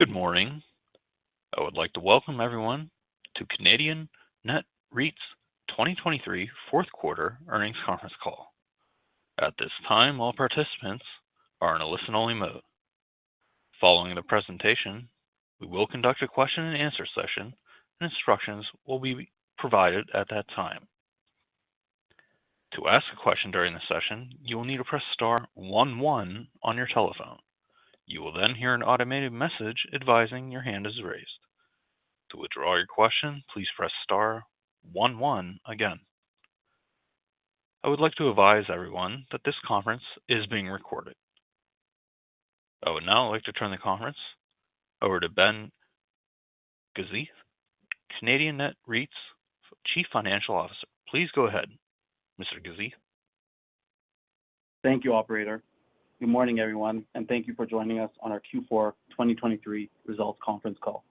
Good morning. I would like to welcome everyone to Canadian Net REIT's 2023 Fourth Quarter Earnings Conference Call. At this time, all participants are in a listen-only mode. Following the presentation, we will conduct a question-and-answer session, and instructions will be provided at that time. To ask a question during the session, you will need to press star one one on your telephone. You will then hear an automated message advising your hand is raised. To withdraw your question, please press star one one again. I would like to advise everyone that this conference is being recorded. I would now like to turn the conference over to Ben Gazith, Canadian Net REIT's Chief Financial Officer. Please go ahead, Mr. Gazith. Thank you, Operator. Good morning, everyone, and thank you for joining us on our Q4 2023 results conference call.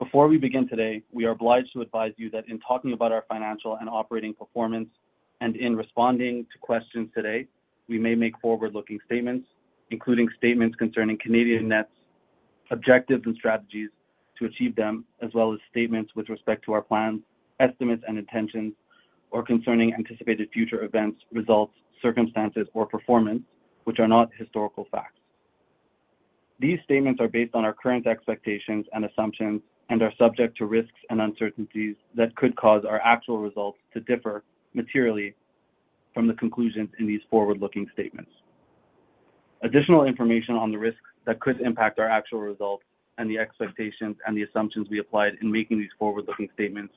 Before we begin today, we are obliged to advise you that in talking about our financial and operating performance and in responding to questions today, we may make forward-looking statements, including statements concerning Canadian Net's objectives and strategies to achieve them, as well as statements with respect to our plans, estimates, and intentions, or concerning anticipated future events, results, circumstances, or performance, which are not historical facts. These statements are based on our current expectations and assumptions and are subject to risks and uncertainties that could cause our actual results to differ materially from the conclusions in these forward-looking statements. Additional information on the risks that could impact our actual results and the expectations and the assumptions we applied in making these forward-looking statements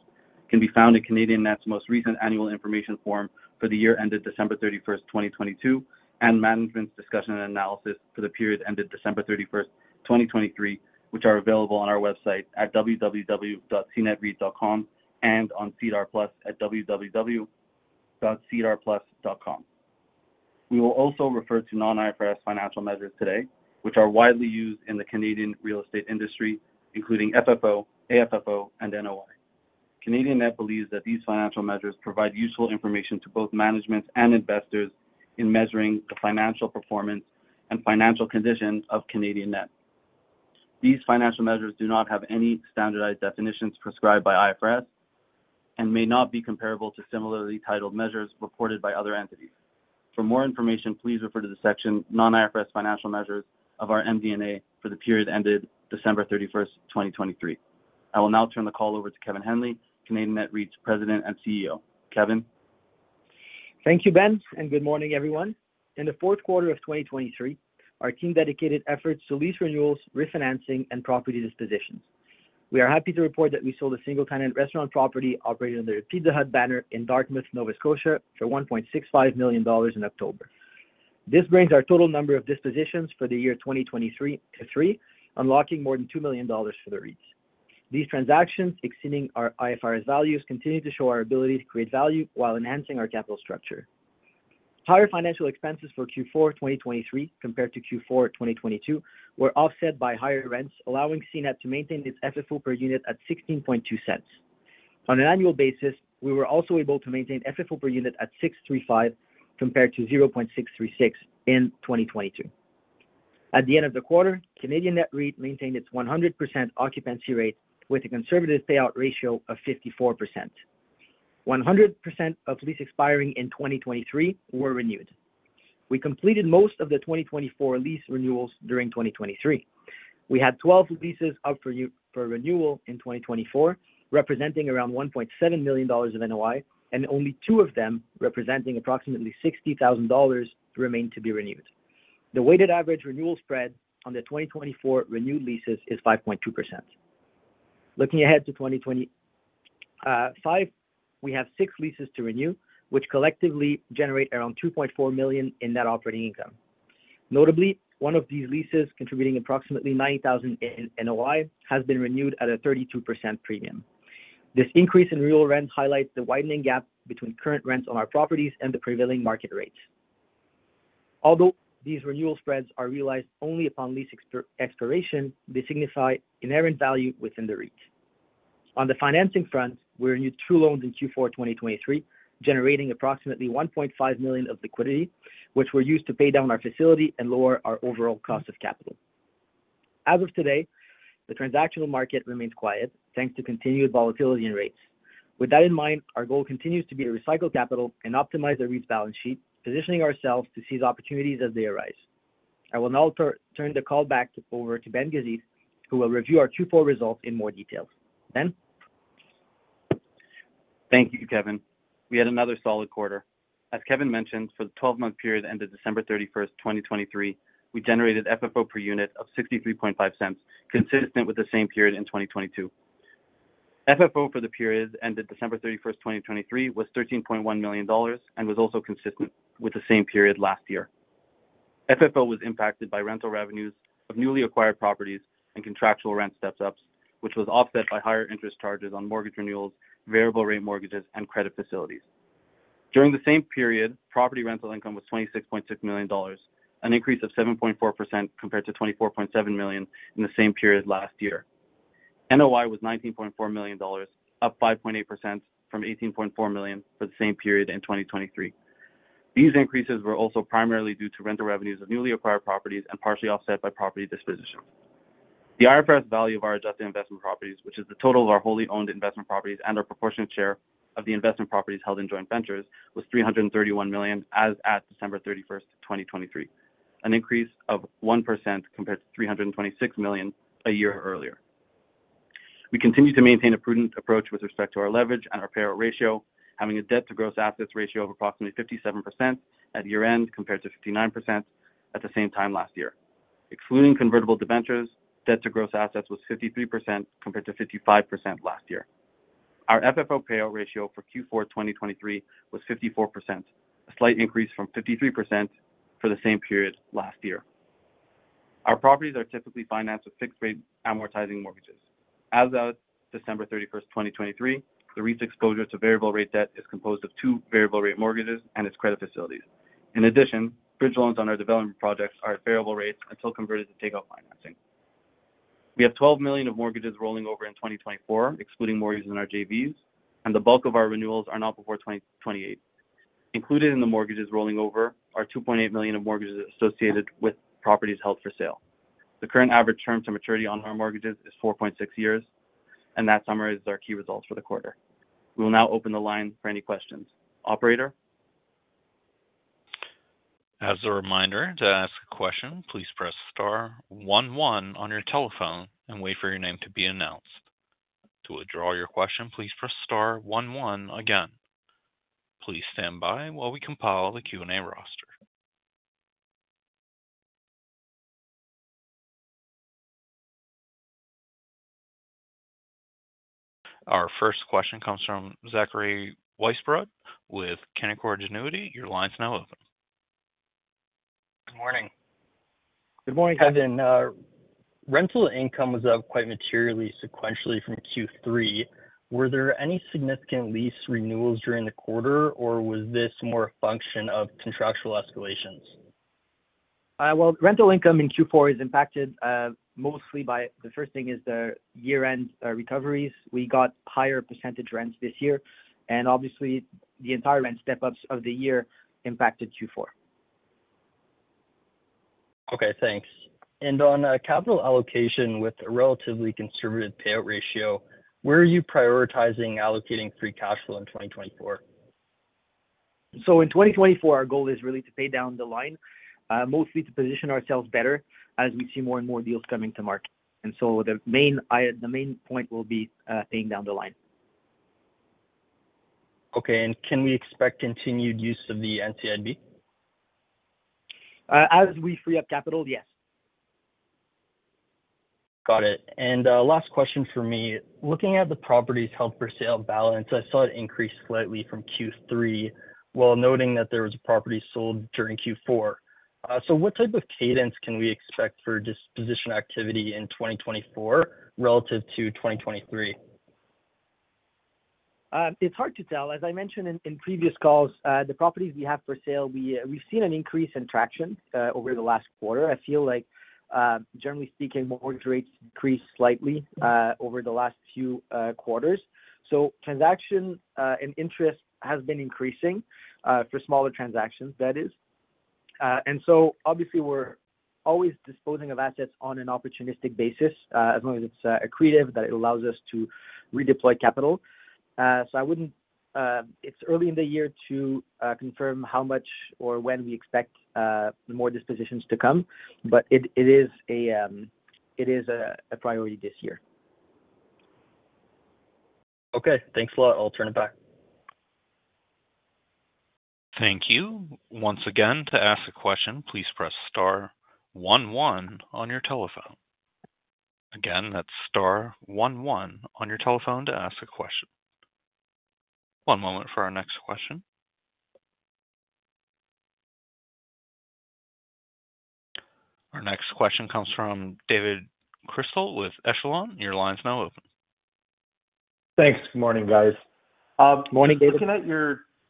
can be found in Canadian Net's most recent Annual Information Form for the year ended December 31st, 2022, and Management's Discussion and Analysis for the period ended December 31st, 2023, which are available on our website at www.cnetreit.com and on SEDAR+ at www.sedarplus.com. We will also refer to non-IFRS financial measures today, which are widely used in the Canadian real estate industry, including FFO, AFFO, and NOI. Canadian Net believes that these financial measures provide useful information to both management and investors in measuring the financial performance and financial condition of Canadian Net. These financial measures do not have any standardized definitions prescribed by IFRS and may not be comparable to similarly titled measures reported by other entities. For more information, please refer to the section non-IFRS financial measures of our MD&A for the period ended December 31st, 2023. I will now turn the call over to Kevin Henley, Canadian Net REIT's President and CEO. Kevin? Thank you, Ben, and good morning, everyone. In the fourth quarter of 2023, our team dedicated efforts to lease renewals, refinancing, and property dispositions. We are happy to report that we sold a single-tenant restaurant property operated under the Pizza Hut banner in Dartmouth, Nova Scotia, for 1.65 million dollars in October. This brings our total number of dispositions for the year 2023 to three, unlocking more than 2 million dollars for the REITs. These transactions, exceeding our IFRS values, continue to show our ability to create value while enhancing our capital structure. Higher financial expenses for Q4 2023 compared to Q4 2022 were offset by higher rents, allowing CNET to maintain its FFO per unit at 16.2. On an annual basis, we were also able to maintain FFO per unit at 0.635 compared to 0.636 in 2022. At the end of the quarter, Canadian Net REIT maintained its 100% occupancy rate with a conservative payout ratio of 54%. 100% of leases expiring in 2023 were renewed. We completed most of the 2024 lease renewals during 2023. We had 12 leases up for renewal in 2024, representing around 1.7 million dollars of NOI, and only two of them representing approximately 60,000 dollars remained to be renewed. The weighted average renewal spread on the 2024 renewed leases is 5.2%. Looking ahead to 2025, we have six leases to renew, which collectively generate around 2.4 million in net operating income. Notably, one of these leases, contributing approximately 90,000 in NOI, has been renewed at a 32% premium. This increase in real rent highlights the widening gap between current rents on our properties and the prevailing market rates. Although these renewal spreads are realized only upon lease expiration, they signify inherent value within the REIT. On the financing front, we renewed two loans in Q4 2023, generating approximately 1.5 million of liquidity, which were used to pay down our facility and lower our overall cost of capital. As of today, the transactional market remains quiet, thanks to continued volatility in rates. With that in mind, our goal continues to be to recycle capital and optimize the REIT's balance sheet, positioning ourselves to seize opportunities as they arise. I will now turn the call back over to Ben Gazith, who will review our Q4 results in more details. Ben? Thank you, Kevin. We had another solid quarter. As Kevin mentioned, for the 12-month period ended December 31st, 2023, we generated FFO per unit of 63.5, consistent with the same period in 2022. FFO for the period ended December 31st, 2023, was 13.1 million dollars and was also consistent with the same period last year. FFO was impacted by rental revenues of newly acquired properties and contractual rent step-ups, which was offset by higher interest charges on mortgage renewals, variable-rate mortgages, and credit facilities. During the same period, property rental income was 26.6 million dollars, an increase of 7.4% compared to 24.7 million in the same period last year. NOI was 19.4 million dollars, up 5.8% from 18.4 million for the same period in 2023. These increases were also primarily due to rental revenues of newly acquired properties and partially offset by property dispositions. The IFRS value of our adjusted investment properties, which is the total of our wholly owned investment properties and our proportionate share of the investment properties held in joint ventures, was 331 million as at December 31st, 2023, an increase of 1% compared to 326 million a year earlier. We continue to maintain a prudent approach with respect to our leverage and our payout ratio, having a debt-to-gross assets ratio of approximately 57% at year-end compared to 59% at the same time last year. Excluding convertible debentures, debt-to-gross assets was 53% compared to 55% last year. Our FFO payout ratio for Q4 2023 was 54%, a slight increase from 53% for the same period last year. Our properties are typically financed with fixed-rate amortizing mortgages. As of December 31st, 2023, the REIT's exposure to variable-rate debt is composed of two variable-rate mortgages and its credit facilities. In addition, bridge loans on our development projects are at variable rates until converted to takeout financing. We have 12 million of mortgages rolling over in 2024, excluding mortgages in our JVs, and the bulk of our renewals are not before 2028. Included in the mortgages rolling over are 2.8 million of mortgages associated with properties held for sale. The current average term to maturity on our mortgages is 4.6 years, and that summarizes our key results for the quarter. We will now open the line for any questions. Operator? As a reminder to ask a question, please press star one one on your telephone and wait for your name to be announced. To withdraw your question, please press star one one again. Please stand by while we compile the Q&A roster. Our first question comes from Zachary Weisbrod with Canaccord Genuity. Your line's now open. Good morning. Good morning, Kevin. Rental income was up quite materially sequentially from Q3. Were there any significant lease renewals during the quarter, or was this more a function of contractual escalations? Well, rental income in Q4 is impacted mostly by the first thing is the year-end recoveries. We got higher percentage rents this year, and obviously, the entire rent step-ups of the year impacted Q4. Okay, thanks. On capital allocation with a relatively conservative payout ratio, where are you prioritizing allocating free cash flow in 2024? In 2024, our goal is really to pay down the line, mostly to position ourselves better as we see more and more deals coming to market. The main point will be paying down the line. Okay. Can we expect continued use of the NCIB? As we free up capital, yes. Got it. Last question for me. Looking at the properties held for sale balance, I saw it increase slightly from Q3 while noting that there was a property sold during Q4. What type of cadence can we expect for disposition activity in 2024 relative to 2023? It's hard to tell. As I mentioned in previous calls, the properties we have for sale, we've seen an increase in traction over the last quarter. I feel like, generally speaking, mortgage rates increased slightly over the last few quarters. Transaction and interest has been increasing for smaller transactions, that is. Obviously, we're always disposing of assets on an opportunistic basis as long as it's accretive, that it allows us to redeploy capital. It's early in the year to confirm how much or when we expect more dispositions to come, but it is a priority this year. Okay. Thanks a lot. I'll turn it back. Thank you. Once again, to ask a question, please press star one one on your telephone. Again, that's star one one on your telephone to ask a question. One moment for our next question. Our next question comes from David Chrystal with Echelon. Your line's now open. Thanks. Good morning, guys. Morning, David. Looking at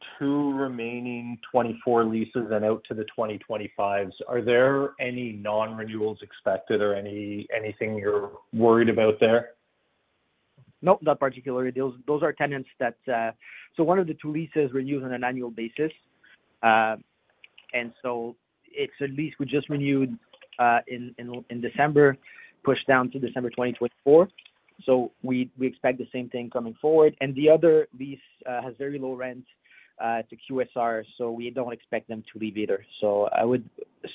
your two remaining 2024 leases and out to the 2025s, are there any non-renewals expected or anything you're worried about there? No, not particularly. Those are tenants that so one of the two leases renews on an annual basis. And so it's a lease we just renewed in December, pushed down to December 2024. So we expect the same thing coming forward. And the other lease has very low rents to QSR, so we don't expect them to leave either. So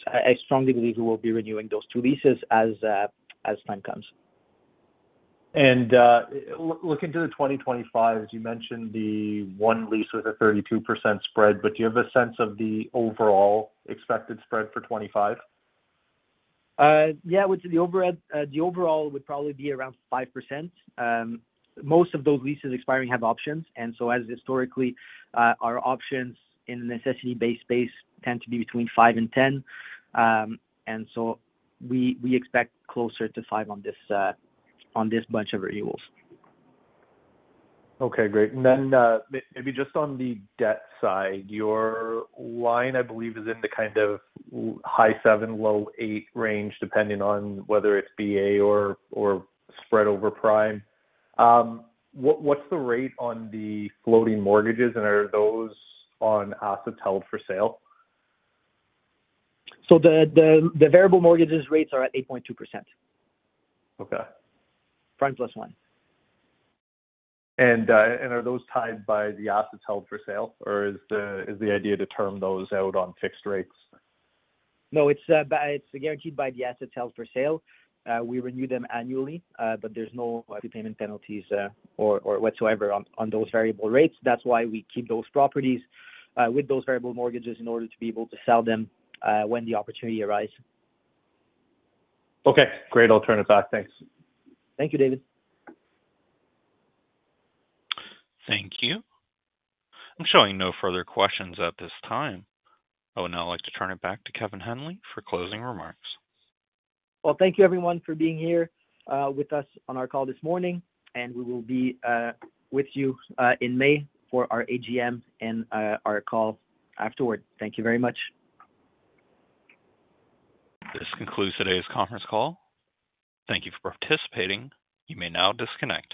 I strongly believe we will be renewing those two leases as time comes. Looking to the 2025s, you mentioned the one lease with a 32% spread, but do you have a sense of the overall expected spread for 2025? Yeah, the overall would probably be around 5%. Most of those leases expiring have options. And so as historically, our options in the necessity-based space tend to be between 5% and 10%. And so we expect closer to 5% on this bunch of renewals. Okay, great. And then maybe just on the debt side, your line, I believe, is in the kind of high seven, low eight range, depending on whether it's BA or spread over prime. What's the rate on the floating mortgages, and are those on assets held for sale? The variable mortgage rates are at 8.2% prime plus one. Are those tied by the assets held for sale, or is the idea to term those out on fixed rates? No, it's guaranteed by the assets held for sale. We renew them annually, but there's no prepayment penalties or whatsoever on those variable rates. That's why we keep those properties with those variable mortgages in order to be able to sell them when the opportunity arises. Okay, great alternative. Thanks. Thank you, David. Thank you. I'm showing no further questions at this time. I would now like to turn it back to Kevin Henley for closing remarks. Well, thank you, everyone, for being here with us on our call this morning. We will be with you in May for our AGM and our call afterward. Thank you very much. This concludes today's conference call. Thank you for participating. You may now disconnect.